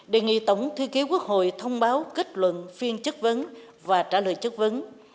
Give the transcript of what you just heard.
đề nghị tổng thư ký quốc hội thông báo kết luận phiên chất vấn và trả lời chất vấn